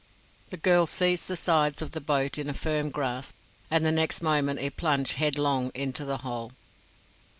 The girl seized the sides of the boat in a firm grasp, and the next moment it plunged headlong into the Hole.